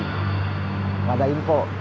gak ada info